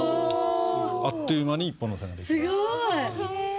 あっという間に１本の線が出来ます。